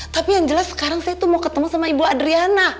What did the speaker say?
tapi yang jelas sekarang saya tuh mau ketemu sama ibu adriana